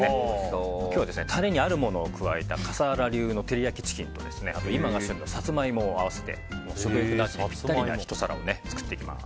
今日はタレにあるものを加えた笠原流の照り焼きチキンと今が旬のサツマイモを合わせて食欲の秋にピッタリなひと皿を作っていきます。